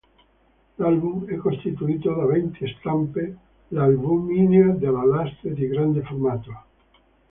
L'album è costituito da venti stampe all'albumina da lastre di grande formato.